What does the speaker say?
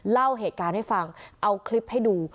เล่าเหตุการณ์ให้ฟังเอาคลิปให้ดู